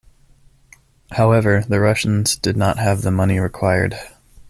However, the Russians did not have the money required.